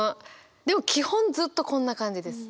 でも基本ずっとこんな感じです。